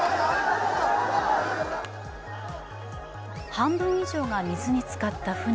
半分以上が水につかった船。